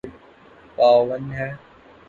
یے پاون ہے